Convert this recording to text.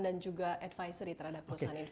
dan juga advisory terhadap perusahaan infrastruktur